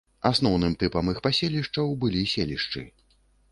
Асноўным тыпам іх паселішчаў былі селішчы.